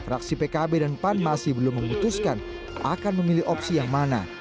fraksi pkb dan pan masih belum memutuskan akan memilih opsi yang mana